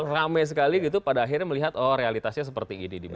rame sekali gitu pada akhirnya melihat oh realitasnya seperti ini di media